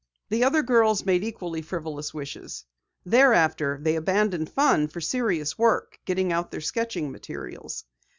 The other girls made equally frivolous wishes. Thereafter, they abandoned fun for serious work, getting out their sketching materials.